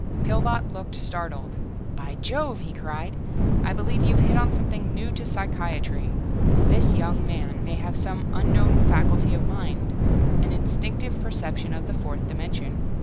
Pillbot looked startled. "By jove," he cried. "I believe you've hit on something new to psychiatry. This young man may have some unknown faculty of mind an instinctive perception of the fourth dimension.